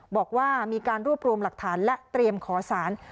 บอกว่ามีการรวบรวมหลักฐานและเตรียมขอสาร